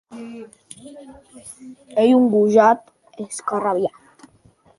Ei un gojat escarrabilhat.